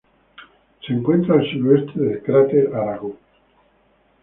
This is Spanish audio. Se encuentra al sureste del cráter Arago.